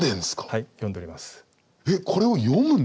はい読んでおります。